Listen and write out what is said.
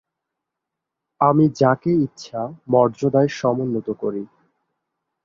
আমি যাকে ইচ্ছা মর্যাদায় সমুন্নত করি।